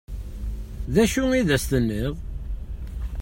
D acu i as-tenniḍ?